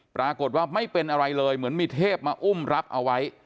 ปรากฏว่าไม่เป็นอะไรเลยเหมือนมีเทพมาอุ้มรับเอาไว้